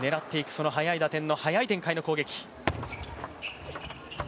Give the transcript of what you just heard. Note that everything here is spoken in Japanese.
その速い打点の速い展開の攻撃。